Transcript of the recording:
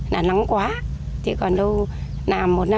nằm lắm quá thì còn đâu nằm một năm